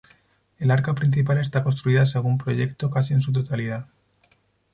El arca principal está construida según proyecto casi en su totalidad.